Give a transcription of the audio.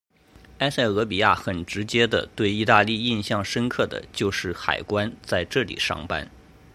埃塞俄比亚很直接的对意大利印象深刻的就是海关在这里上班。